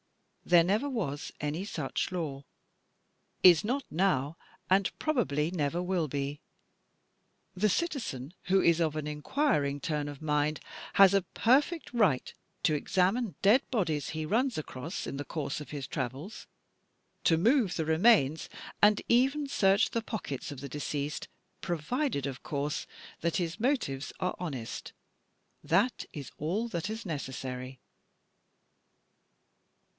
There never was any such law, is not now, and probably never will be. The citizen who is of an inquiring turn of mind has a perfect right to examine dead bodies he runs across in the course of his travels, to move the remains and even search the pockets of the deceased, provided, of course, that his motives are honest. That is all that is necessary.